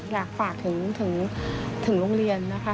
อยากฝากถึงโรงเรียนนะคะ